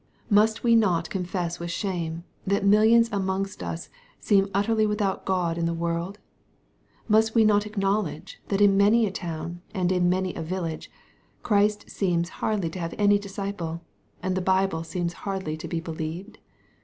Must we not confess with shame, that millions amongst us seem utterly without God in the world ? Must we not acknowledge, that in many a town, and in many a village, Christ seems hardly to have any disciple, and the Bible seems hardly to be believed